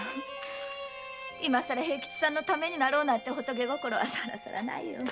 今さら平吉さんのためになろうなんて仏心はサラサラないよ。